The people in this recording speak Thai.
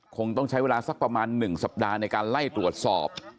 คงต้องใช้เวลาสักประมาณ๑สัปดาห์ในการไล่ตรวจสอบ